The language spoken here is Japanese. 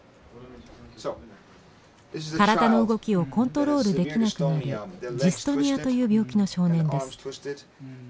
体の動きをコントロールできなくなるジストニアという病気の少年です。